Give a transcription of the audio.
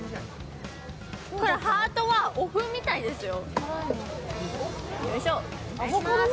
これ、ハートはお麩みたいですよ。